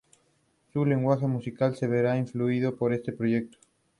Su lenguaje musical se vería influido por este proyecto.